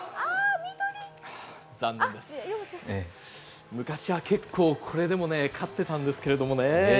残念です昔は結構これでも勝ってたんですけどもね。